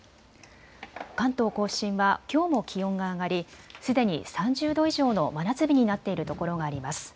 関東甲信はきょうも気温が上がりすでに３０度以上の真夏日になっているところがあります。